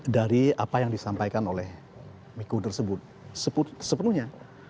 dari apa yang disampaikan oleh miko tersebut sepenuhnya